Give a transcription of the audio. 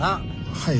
はい。